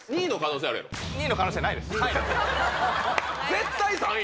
絶対３位！